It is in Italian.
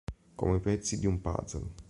Come i pezzi di un puzzle.